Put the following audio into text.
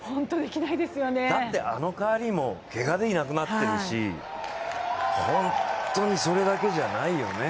だってあのカーリーもけがでいなくなってるし、ホントにそれだけじゃないよね。